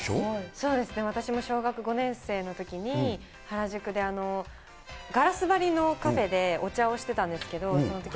そうですね、私も小学５年生のときに、原宿でガラス張りのカフェでお茶をしてたんですけど、そのとき。